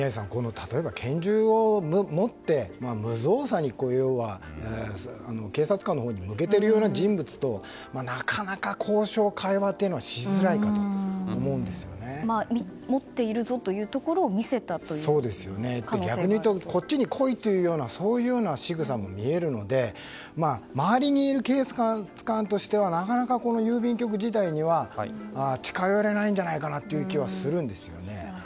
例えば拳銃を持って無造作に警察官のほうに向けているような人物となかなか交渉会話というようなものは持っているぞというところを逆に言うとこっちに来いというしぐさも見えるので周りにいる警察官としてはなかなか郵便局自体には近寄れないんじゃないかなという気はするんですよね。